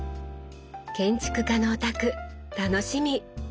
建築家のお宅楽しみ！